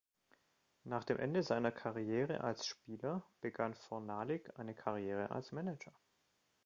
Nach dem Ende seiner Karriere als Spieler, begann Fornalik eine Karriere als Manager.